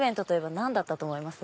何だったと思います？